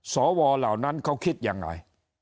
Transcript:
สวเหล่านั้นเขาคิดยังไง